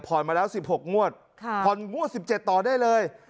ผ่อนมาแล้วสิบหกงวดค่ะผ่อนงวดสิบเจ็ดต่อได้เลย